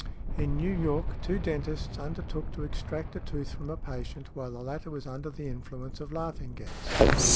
In New York, two dentists undertook to extract a tooth from a patient while the latter was under the influence of laughing gas.